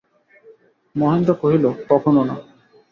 মহেন্দ্র কহিল, কখনো না?